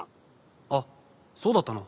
あっそうだったの？